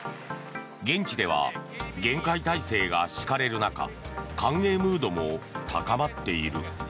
現地では厳戒態勢が敷かれる中歓迎ムードも高まっている。